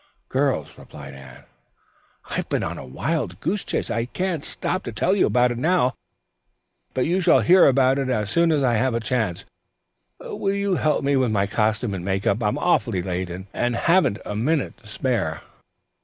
"Girls," replied Anne, "I've been on a wild goose chase. I can't stop to tell you about it now, but you shall hear as soon as I have a chance. Will you help me with my costume and make up? I'm awfully late, and haven't a minute to spare."